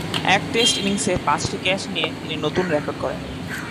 এক টেস্ট ইনিংসে পাঁচটি ক্যাচ নিয়ে তিনি নতুন রেকর্ড গড়েন।